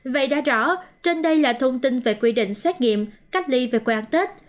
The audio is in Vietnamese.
vậy đã rõ trên đây là thông tin về quy định xét nghiệm cách ly về quê ăn tết